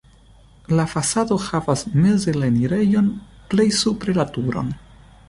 La fasado havas meze la enirejon, plej supre la turon.